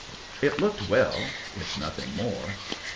"It looked well," if nothing more.